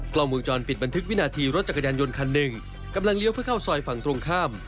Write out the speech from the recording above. กล้องวงจรปิดบันทึกวินาทีรถจักรยานยนต์คันหนึ่งกำลังเลี้ยวเพื่อเข้าซอยฝั่งตรงข้าม